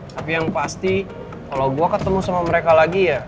tapi yang pasti kalau gue ketemu sama mereka lagi ya